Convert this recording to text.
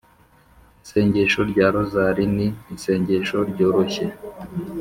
isengesho rya rozali ni isengesho ryoroshye